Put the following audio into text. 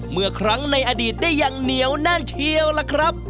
เมื่อครั้งในอดีตได้อย่างเหนียวแน่นเชียวล่ะครับ